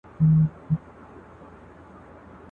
هره څپه یې ورانوي د بګړۍ ولونه..